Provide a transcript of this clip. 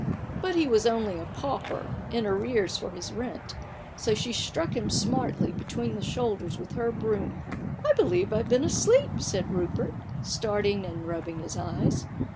But he was only a pauper, in arrears for his rent, so she struck him smartly between the shoulders with her broom, " I believe I've been asleep/' said Rupert, starting and rubbing his eyes.